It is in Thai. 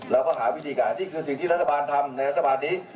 เราก็หาวิธีการนี่คือสิ่งที่รัฐบาลทำในรัฐบาลนี้